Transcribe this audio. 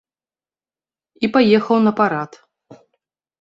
І паехаў на парад.